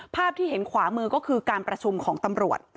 ภาพที่เห็นขวามือก็คือการประชุมของตำรวจ